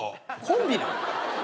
コンビなん？